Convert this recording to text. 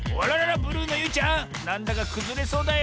ブルーのゆいちゃんなんだかくずれそうだよ。